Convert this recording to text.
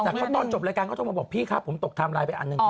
แต่เขาตอนจบรายการเขาโทรมาบอกพี่ครับผมตกไทม์ไลน์ไปอันหนึ่ง